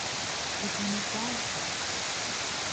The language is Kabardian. Удэнэ къуажэ?